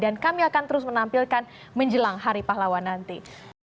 dan kami akan terus menampilkan menjelang hari pahlawan nanti